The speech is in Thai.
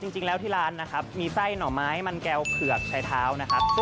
จริงแล้วที่ร้านนะครับมีไส้หน่อไม้มันแก้วเผือกชายเท้านะครับ